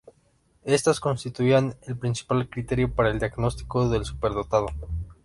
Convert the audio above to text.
Estas constituían el principal criterio para el diagnóstico del superdotado.